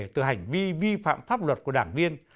từ hành vi vi phạm pháp luật của đảng viên